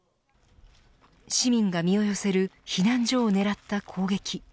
市民が身を寄せる避難所を狙った攻撃。